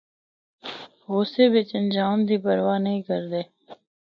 غصے بچ انجام دی پرواہ نیں کردے۔